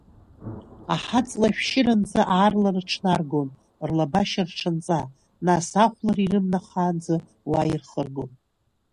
Аҳаҵла ашәшьыранӡа аарла рыҽнаргон, рлабашьа рҽанҵа, нас ахәлара ирымнахаанӡа уа ирхыргон.